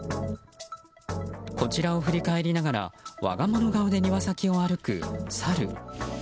こちらを振り返りながら我が物顔で庭先を歩くサル。